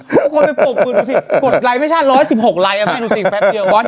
พวกมันไปปลูกคุณหนูสิกดไลน์ไม่ใช่ร้อย๑๖ไลน์ให้หนูสิแป๊บเดียว